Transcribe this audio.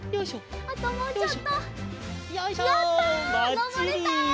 のぼれた！